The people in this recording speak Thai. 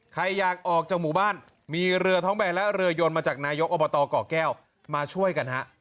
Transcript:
ใครอยากออกจากหมู่บ้านมีเรือท้องแบนและเรือยนมาจากนายกอบตก่อแก้วมาช่วยกันฮะ